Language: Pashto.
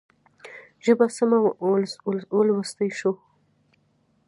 ژبه سمه ولوستلای شو.